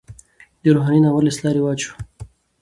د روحاني ناول اصطلاح رواج شوه.